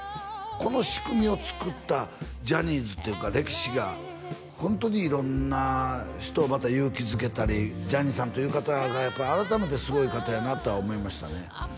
この仕組みを作ったジャニーズっていうか歴史がホントに色んな人をまた勇気づけたりジャニーさんという方がやっぱ改めてすごい方やなとは思いましたね